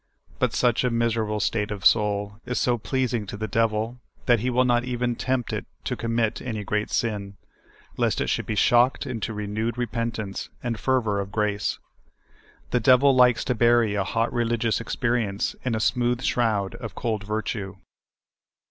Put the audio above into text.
But such a miserable state of soul is vSo pleasing to the devil that he will not even tempt it to commit au}^ great sin, lest it should be shocked into renewed repentance and fer\^or of grace. The devil likes to bury a hot relig ious experience in a smooth shroud of cold virtue.